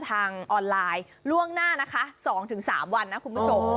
ทางออนไลน์ล่วงหน้านะคะสองถึงสามวันนะคุณผู้ชม